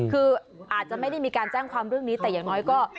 คืออาจจะไม่ได้มีการแจ้งความเรื่องนี้แต่อย่างน้อยก็